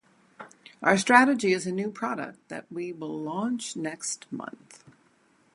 Our strategy is a new product that we will launch next month.